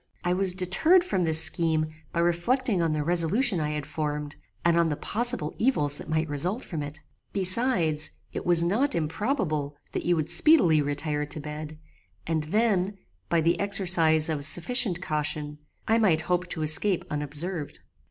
I was deterred from this scheme by reflecting on the resolution I had formed, and on the possible evils that might result from it. Besides, it was not improbable that you would speedily retire to bed, and then, by the exercise of sufficient caution, I might hope to escape unobserved.